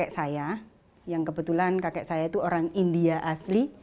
kakek saya yang kebetulan kakek saya itu orang india asli